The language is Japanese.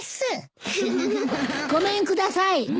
・・ごめんください。